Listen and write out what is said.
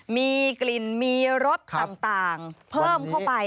มีกลิ่นมีรสต่างเพิ่มเข้าไป